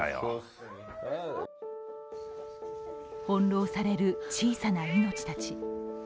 翻弄される小さな命たち。